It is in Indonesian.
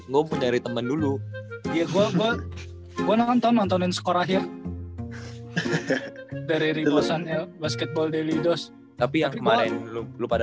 gue nonton nontonin sekor akhir dari ribosan ya basketbol delidos tapi yang kemarin lu pada